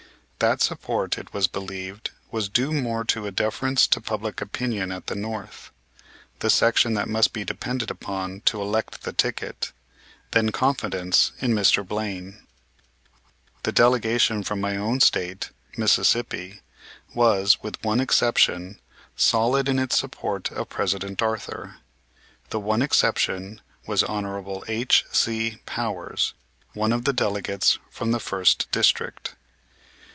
That support, it was believed, was due more to a deference to public opinion at the North, the section that must be depended upon to elect the ticket, than confidence in Mr. Blaine. The delegation from my own State, Mississippi, was, with one exception, solid in its support of President Arthur. The one exception was Hon. H.C. Powers, one of the delegates from the first district.